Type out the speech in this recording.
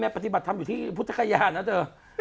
แม่ปฏิบัติทำอยู่ที่พุทธคายานะเธอ